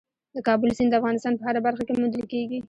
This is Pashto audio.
د کابل سیند د افغانستان په هره برخه کې موندل کېږي.